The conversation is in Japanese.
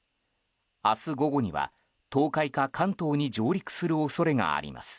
明日午後には、東海か関東に上陸する恐れがあります。